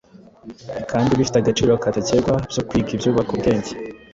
kandi bifite agaciro katagerwa byo kwiga ibyubaka ubwenge.